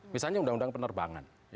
misalnya undang undang penerbangan